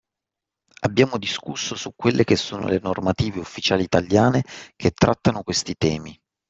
Abbiamo discusso su quelle che sono le normative ufficiali Italiane che trattano questi temi